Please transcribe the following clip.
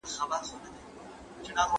که ئې خطاء ثابته نسوه، نو طلاق واقع دی.